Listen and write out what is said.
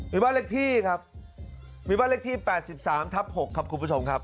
มีบ้านเลขที่ครับมีบ้านเลขที่๘๓ทับ๖ครับคุณผู้ชมครับ